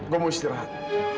gue mau istirahat